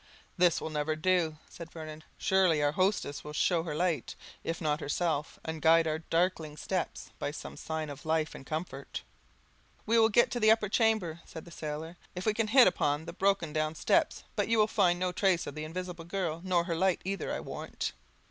"This will never do," said Vernon; "surely our hostess will show her light, if not herself, and guide our darkling steps by some sign of life and comfort." "We will get to the upper chamber," said the sailor, "if I can but hit upon the broken down steps: but you will find no trace of the Invisible Girl nor her light either, I warrant."